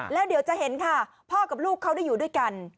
แล้วเดี๋ยวจะเห็นค่ะพ่อกับลูกเขาได้อยู่ด้วยกัน